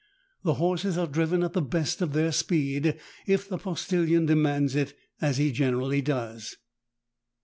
The horses are driven at the best of their speed, if the postil lion demands it, as he generally does.